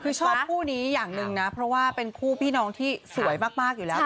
คือชอบคู่นี้อย่างหนึ่งนะเพราะว่าเป็นคู่พี่น้องที่สวยมากอยู่แล้ว